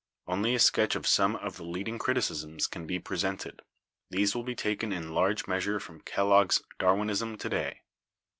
Only a sketch of some of the leading criticisms can be presented. These will be taken in large measure from Kellogg's 'Darwinism To day.'